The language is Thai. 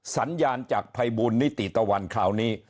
สัญญาณจากภัยบูลนิติตะวันคราวนี้